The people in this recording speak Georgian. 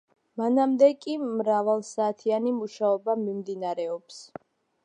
მანამდე კი მრავალსაათიანი მუშაობა მიმდინარეობს.